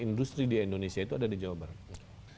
industri di indonesia itu ada di jawa barat